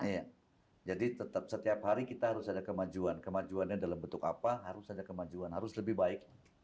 iya jadi tetap setiap hari kita harus ada kemajuan kemajuannya dalam bentuk apa harus ada kemajuan harus lebih baik